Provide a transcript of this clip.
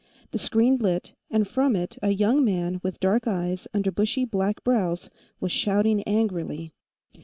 The screen lit, and from it a young man with dark eyes under bushy black brows was shouting angrily